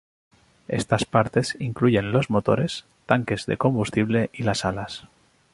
Estas partes incluyen los motores, tanques de combustible y las alas.